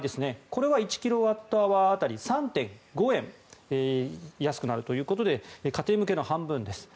これは１キロワットアワー当たり３．５円安くなるということで家庭向けの半分です。